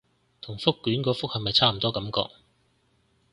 同覆卷個覆係咪差唔多感覺